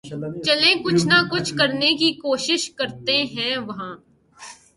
چلیں کچھ نہ کچھ کرنیں کی کیںشش کرتیں ہیں وہاں